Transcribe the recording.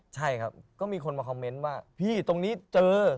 ใช่ครับก็มีคนมาคอมเมนต์ว่าพี่ตรงนี้เจอ